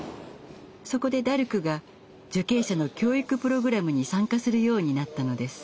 そこでダルクが受刑者の教育プログラムに参加するようになったのです。